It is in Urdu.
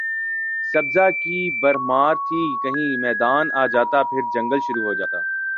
سبزہ کی بھرمار تھی کہیں میدان آ جاتا پھر جنگل شروع ہو جاتا